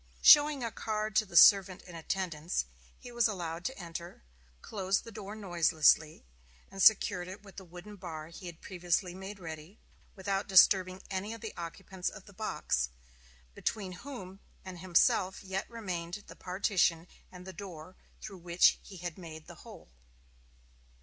Showing a card to the servant in attendance, he was allowed to enter, closed the door noiselessly, and secured it with the wooden bar he had previously made ready, without disturbing any of the occupants of the box, between whom and himself yet remained the partition and the door through which he had made the hole.